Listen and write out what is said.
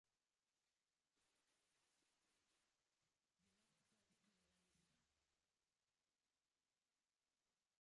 La localidad se encuentra del lado Atlántico de la isla.